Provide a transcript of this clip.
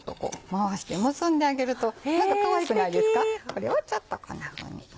これをちょっとこんなふうに。